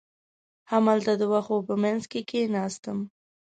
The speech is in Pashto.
همالته د وښو په منځ کې کېناستم.